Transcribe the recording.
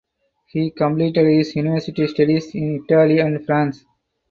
He completed his university studies in Italy and France.